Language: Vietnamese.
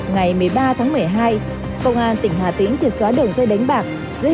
ngày một mươi ba tháng một mươi hai công an tỉnh hà tĩnh triệt xóa đường dây đánh bạc